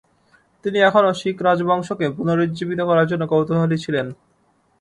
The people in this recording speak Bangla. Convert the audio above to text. তিনি এখনও শিখ রাজবংশকে পুনরুজ্জীবিত করার জন্য কৌতুহলী ছিলেন।